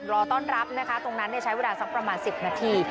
รอต้อนรับนะคะตรงนั้นใช้เวลาสักประมาณ๑๐นาที